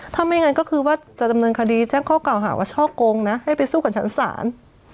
ถ้าไม่งั้นก็คือว่าจะดำเนินคดีแจ้งข้อเก่าหาว่าช่อโกงนะให้ไปสู้กับชั้นศาล